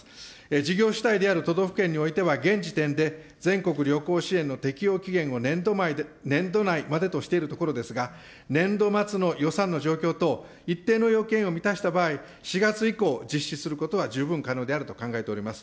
事業主体である都道府県においては、現時点で全国旅行支援の適用期限を年度内までとしているところですが、年度末の予算の状況等、一定の要件を満たした場合、４月以降、実施することは十分可能であると考えております。